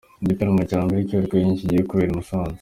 Ni igitaramo cya mbere cy’urwenya kigiye kubera i Musanze.